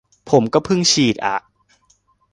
ผมก็เพิ่งฉีดอะ